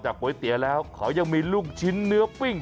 ก๋วยเตี๋ยวแล้วเขายังมีลูกชิ้นเนื้อปิ้ง